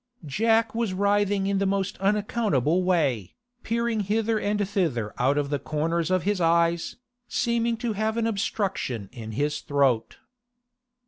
Jack was writhing in the most unaccountable way, peering hither and thither out of the corners of his eyes, seeming to have an obstruction in his throat.